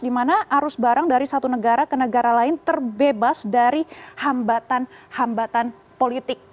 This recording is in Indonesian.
di mana arus barang dari satu negara ke negara lain terbebas dari hambatan hambatan politik